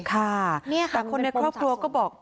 แต่คนในครอบครัวก็บอก